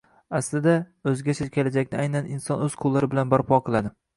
Aslida, o‘zgacha kelajakni aynan inson o‘z qo‘llari bilan barpo qiladi.